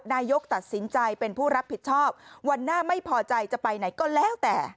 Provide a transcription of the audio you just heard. นายกตัดสินใจเป็นผู้รับผิดชอบวันหน้าไม่พอใจจะไปไหนก็แล้วแต่